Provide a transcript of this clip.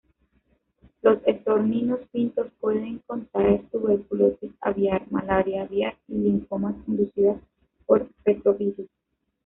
Los estorninos pintos pueden contraer tuberculosis aviar, malaria aviar y linfomas inducidas por retrovirus.